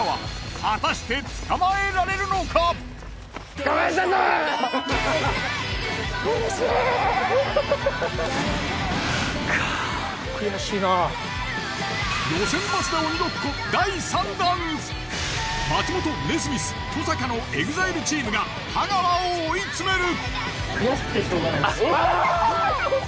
果たして松本ネスミス登坂のＥＸＩＬＥチームが太川を追い詰める！